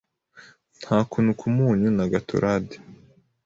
Nta kunuka umunyu na Gatorade